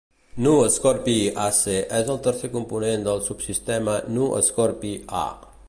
Nu Scorpii Ac és el tercer component del subsistema Nu Scorpii A.